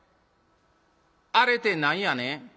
「『あれ』て何やねん？」。